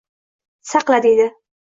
«Saqla, —deydi, —